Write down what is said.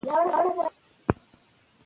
که سوله وي، نو تعلیمي پروسه به روانه وي.